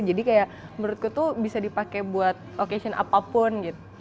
jadi kayak menurutku tuh bisa dipakai buat occasion apa pun